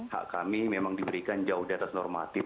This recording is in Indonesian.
hak kami memang diberikan jauh di atas normatif